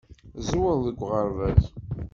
Tẓewreḍ deg uɣerbaz.